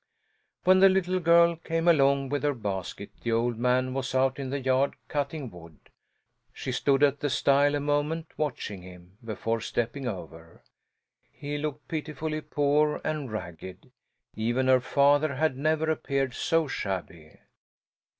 When the little girl came along with her basket the old man was out in the yard, cutting wood. She stood at the stile a moment, watching him, before stepping over. He looked pitifully poor and ragged. Even her father had never appeared so shabby.